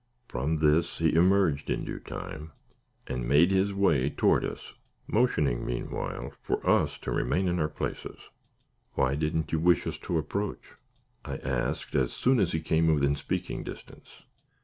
From this he emerged in due time, and made his way toward us, motioning, meanwhile, for us to remain in our places. "Why didn't you wish us to approach?" I asked, as soon as he came within speaking distance.